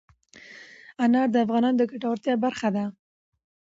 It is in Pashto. انار د افغانانو د ګټورتیا برخه ده.